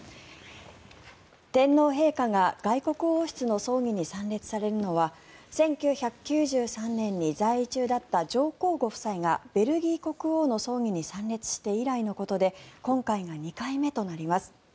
天皇陛下が外国王室の葬儀に参列されるのは１９９３年に在位中だった上皇ご夫妻がベルギー国王の葬儀に参列して以来のことで今回が２回目となります。